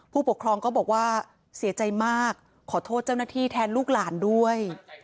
ผู้ปกครองก็บอกว่าเสียใจมากขอโทษเจ้าหน้าที่แทนลูกหลานด้วย